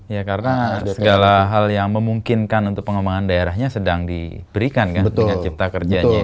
ya karena segala hal yang memungkinkan untuk pengembangan daerahnya sedang diberikan kan dengan cipta kerjanya